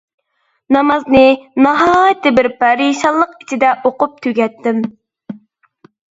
نامازنى ناھايىتى بىر پەرىشانلىق ئىچىدە ئوقۇپ تۈگەتتىم.